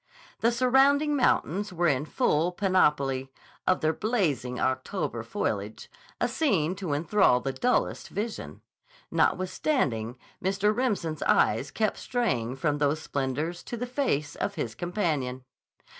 The surrounding mountains were in full panoply of their blazing October foliage, a scene to enthrall the dullest vision. Notwithstanding, Mr. Remsen's eyes kept straying from those splendors to the face of his companion.